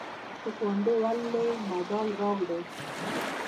تکواندو ولې مډال راوړ؟